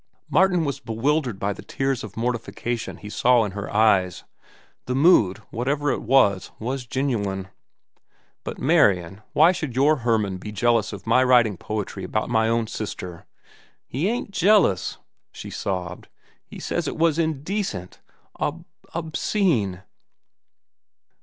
Martin was bewildered by the tears of mortification he saw in her eyes. The mood, whatever it was, was genuine. "But, Marian, why should your Hermann be jealous of my writing poetry about my own sister?" "He ain't jealous," she sobbed. "He says it was indecent, ob—obscene."